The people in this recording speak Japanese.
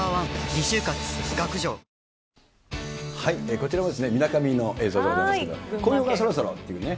こちらは、みなかみの映像でございますけど、紅葉がそろそろっていうね。